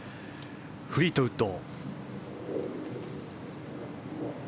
フリートウッド。